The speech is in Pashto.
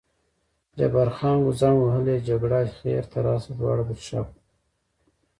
جبار خان: ګوزڼ وهلې جګړه، خیر ته راشه دواړه به څښاک وکړو.